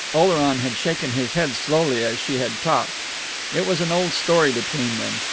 Oleron had shaken his head slowly as she had talked. It was an old story between them.